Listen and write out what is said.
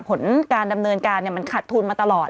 ผลการดำเนินการมันขัดทุนมาตลอด